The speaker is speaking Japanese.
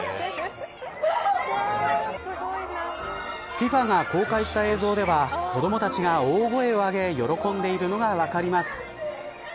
ＦＩＦＡが公開した映像では子どもたちが大声を上げ喜んでいるのが分かります。